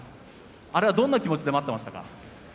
あれはどんな気持ちで待っていましたか。